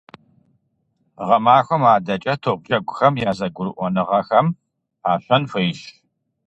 Гъэмахуэм адэкӀэ топджэгухэм я зэгурыӀуэныгъэхэм пащэн хуейщ.